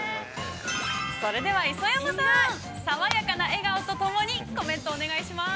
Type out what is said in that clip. ◆それでは、磯山さん爽やかな笑顔とともにコメント、お願いします。